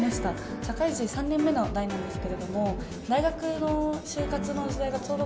社会人３年目の代なんですけれども、大学の就活の時代がちょうど